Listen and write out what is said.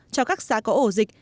cho các xã có ổ dịch